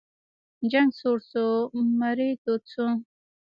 جنګ سوړ شو، میری تود شو.